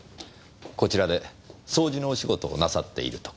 こちらで掃除のお仕事をなさっているとか。